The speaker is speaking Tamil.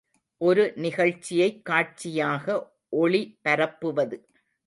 ஒரு நிகழ்ச்சியைக் காட்சியாக ஒளி பரப்புவது.